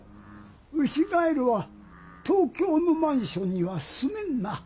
ウシガエルは東京のマンションにはすめんな。